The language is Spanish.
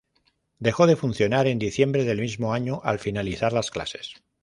Dejó de funcionar en diciembre del mismo año, al finalizar las clases.